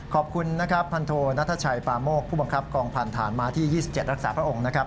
ขอบคุณนะครับพันโทนัทชัยปาโมกผู้บังคับกองพันธานม้าที่๒๗รักษาพระองค์นะครับ